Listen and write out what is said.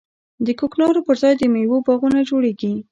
د کوکنارو پر ځای د میوو باغونه جوړیږي.